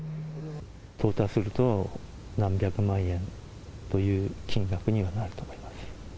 トータルすると、何百万円という金額にはなると思います。